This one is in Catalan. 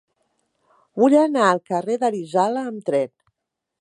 Vull anar al carrer d'Arizala amb tren.